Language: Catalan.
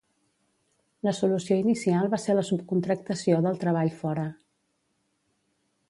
La solució inicial va ser la subcontractació del treball fora.